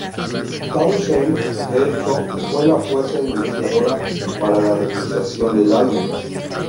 Townshend, de hecho, fue la fuerza iniciadora para la realización del álbum.